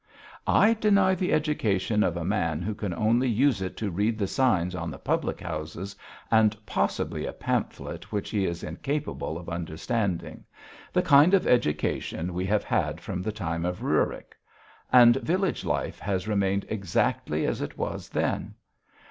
"I deny the education of a man who can only use it to read the signs on the public houses and possibly a pamphlet which he is incapable of understanding the kind of education we have had from the time of Riurik: and village life has remained exactly as it was then.